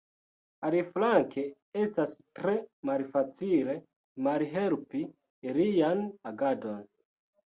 Aliflanke, estas tre malfacile malhelpi ilian agadon.